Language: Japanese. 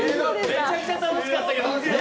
めちゃくちゃ楽しかったけど。